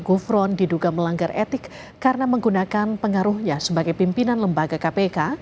gufron diduga melanggar etik karena menggunakan pengaruhnya sebagai pimpinan lembaga kpk